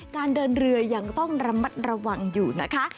การเดินเรือยังต้องระมัดระวังอยู่นะคะ